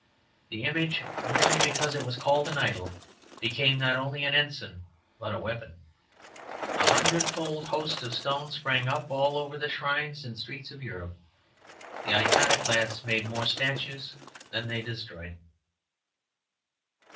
The image, merely because it was called an idol, became not only an ensign but a weapon. A hundredfold host of stone sprang up all over the shrines and streets of Europe. The Iconoclasts made more statues than they destroyed.